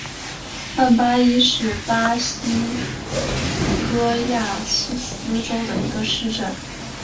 曼巴伊是巴西戈亚斯州的一个市镇。